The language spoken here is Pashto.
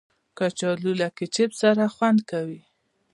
کچالو له کیچپ سره خوند کوي